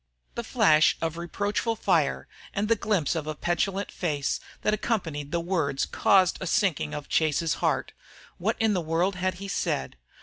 The flash of reproachful fire and the glimpse of a petulant face that accompanied the words caused a sinking of Chase's heart. What in the world had he said?